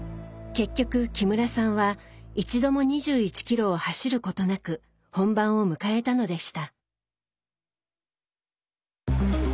結局木村さんは一度も２１ｋｍを走ることなく本番を迎えたのでした。